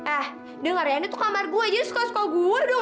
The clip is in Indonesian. eh dengar ya ini tuh kamar gue jadi suka suka gue dong